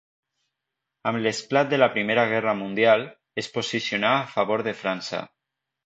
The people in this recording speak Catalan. Amb l'esclat de la Primera Guerra Mundial, es posicionà a favor de França.